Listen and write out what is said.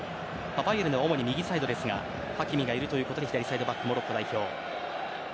バイエルンでは主に右サイドですがハキミがいるということで左サイドバック、モロッコ代表。